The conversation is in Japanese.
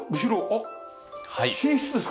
あっ寝室ですか？